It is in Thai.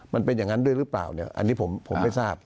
มันเป็นอย่างนั้นด้วยหรือเปล่าเนี่ยอันนี้ผมไม่ทราบ